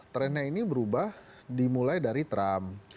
trennya ini berubah dimulai dari trump